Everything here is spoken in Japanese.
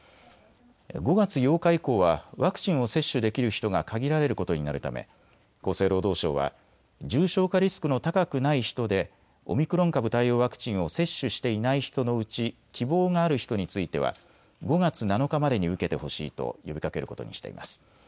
５月８日以降はワクチンを接種できる人が限られることになるため厚生労働省は重症化リスクの高くない人でオミクロン株対応ワクチンを接種していない人のうち希望がある人については５月７日までに受けてほしいと呼びかけることにしています。